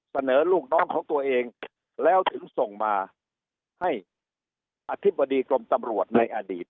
ลูกน้องของตัวเองแล้วถึงส่งมาให้อธิบดีกรมตำรวจในอดีต